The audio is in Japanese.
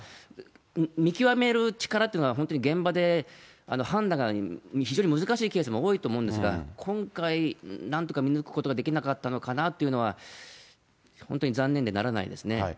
見極める力というのは、本当現場で判断が非常に難しいケースが多いと思うんですが、今回、なんとか見抜くことができなかったのかなというのは、本当に残念でならないですね。